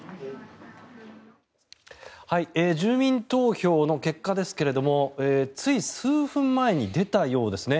住民投票の結果ですけれどつい数分前に出たようですね。